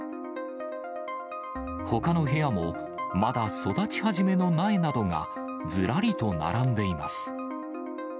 ほかの部屋も、まだ育ち始めの苗などがずらりと並んでいます。